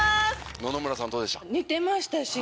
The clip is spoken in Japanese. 野々村さんどうでしたか？